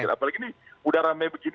apalagi ini udah rame begini